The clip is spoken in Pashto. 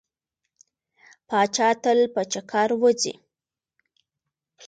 پاچا تل په چکر وځي.